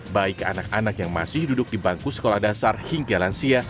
baik anak anak yang masih duduk di bangku sekolah dasar hingga lansia